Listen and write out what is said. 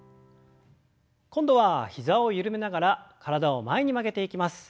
今度は膝を緩めながら体を前に曲げていきます。